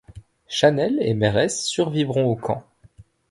Chanel et Meresse survivront aux camps.